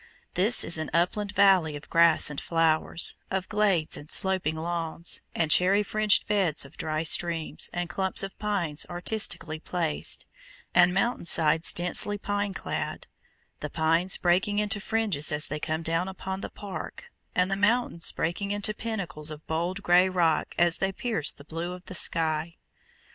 This is an upland valley of grass and flowers, of glades and sloping lawns, and cherry fringed beds of dry streams, and clumps of pines artistically placed, and mountain sides densely pine clad, the pines breaking into fringes as they come down upon the "park," and the mountains breaking into pinnacles of bold grey rock as they pierce the blue of the sky.